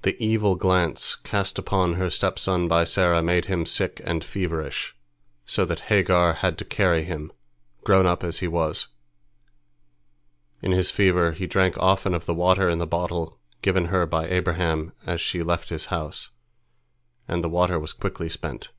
The evil glance cast upon her stepson by Sarah made him sick and feverish, so that Hagar had to carry him, grown up as he was. In his fever he drank often of the water in the bottle given her by Abraham as she left his house, and the water was quickly spent.